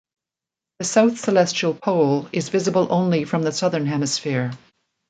The south celestial pole is visible only from the Southern Hemisphere.